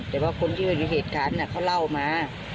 แต่ว่าคนที่อยู่ในเหตุการณ์เขาเล่ามา